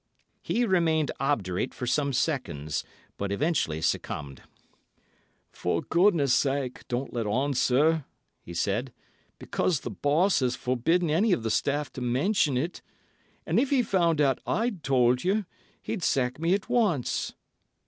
He remained obdurate for some seconds, but eventually succumbed. "For goodness sake, don't let on, sir," he said, "because the boss has forbidden any of the staff to mention it, and if he found out I'd told you, he'd sack me at once.